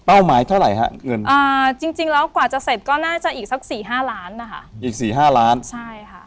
หมายเท่าไหร่ฮะเงินอ่าจริงจริงแล้วกว่าจะเสร็จก็น่าจะอีกสักสี่ห้าล้านนะคะอีกสี่ห้าล้านใช่ค่ะ